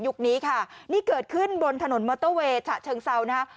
นี้ค่ะนี่เกิดขึ้นบนถนนมอเตอร์เวย์ฉะเชิงเซานะฮะ